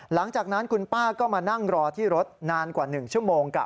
หลังจากนั้นคุณป้าก็มานั่งรอที่รถนานกว่า๑ชั่วโมง